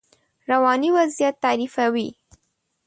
رواني وضعیت تعریفوي.